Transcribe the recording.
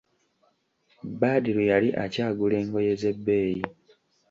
Badru yali akyagula engoye z'ebbeeyi.